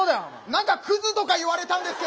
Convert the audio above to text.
なんかクズとか言われたんですけど！